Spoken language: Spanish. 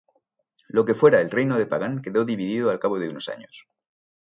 Lo que fuera el Reino de Pagan quedó dividido al cabo de unos años.